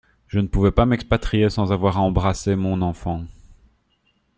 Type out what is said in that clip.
Je ne pouvais pas m’expatrier sans avoir embrassé mon enfant.